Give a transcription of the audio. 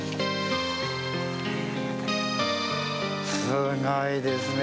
すごいですね。